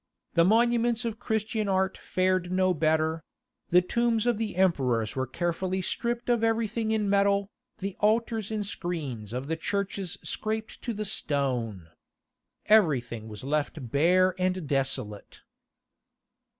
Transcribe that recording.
The monuments of Christian art fared no better; the tombs of the emperors were carefully stripped of everything in metal, the altars and screens of the churches scraped to the stone. Everything was left bare and desolate.